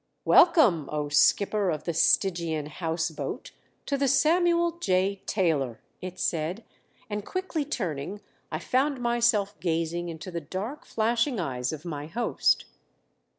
"Welcome, O Skipper of the Stygian House Boat, to the Samuel J. Taylor!" it said, and quickly turning I found myself gazing into the dark, flashing eyes of my host.